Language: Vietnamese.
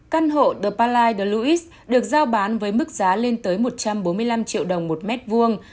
căn hộ the palai dluez được giao bán với mức giá lên tới một trăm bốn mươi năm triệu đồng một mét vuông